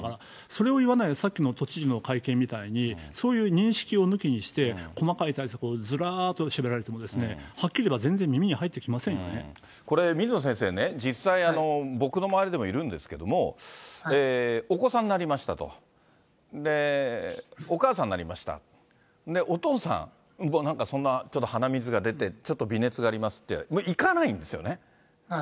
それを言わないで、さっきの都知事の会見みたいに、そういう認識を抜きにして、細かい対策をずらっとしゃべられても、はっきり言これ、水野先生ね、実際、僕の周りでもいるんですけども、お子さんなりましたと、お母さんなりました、お父さんもなんかそんな、ちょっと鼻水が出て、ちょっと微熱がありますって、行かないんですよね。